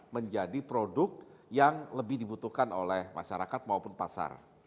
menjadi produk yang lebih dibutuhkan oleh masyarakat maupun pasar